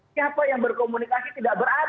siapa yang berkomunikasi tidak berarti